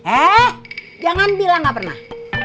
eh jangan bilang gak pernah